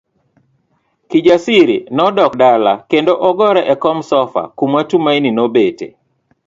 Kijasiri nodok dala kendo ogore e kom sofa kuma Tumaini nobete.